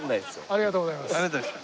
ありがとうございます。